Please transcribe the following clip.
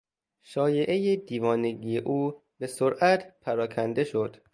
شایعهی دیوانگی او به سرعت پراکنده شد.